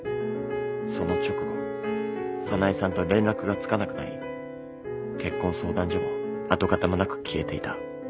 その直後早苗さんと連絡がつかなくなり結婚相談所も跡形もなく消えていた。